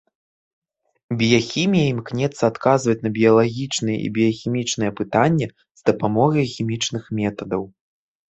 Біяхімія імкнецца адказваць на біялагічныя і біяхімічныя пытанне з дапамогай хімічных метадаў.